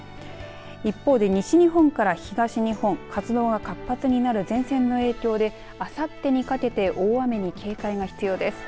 一方で、西日本から東日本活動が活発になる前線の影響であさってにかけて大雨に警戒が必要です。